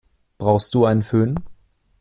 Brauchst du einen Fön?